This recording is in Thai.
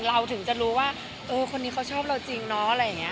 เราถึงจะรู้ว่าเออคนนี้เขาชอบเราจริงเนาะอะไรอย่างนี้